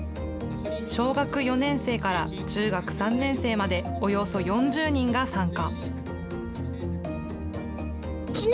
小学４年生から中学３年生まで、およそ４０人が参加。